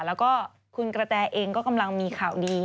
แล้วก็คุณกระแตเองก็กำลังมีข่าวดี